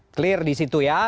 clear di situ ya